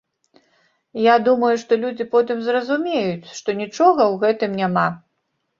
Я думаю, што людзі потым зразумеюць, што нічога ў гэтым няма.